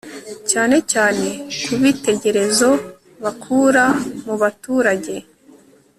cyane cyane ku bitekerezo bakura mu baturage